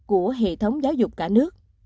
của hệ thống giáo dục cả nước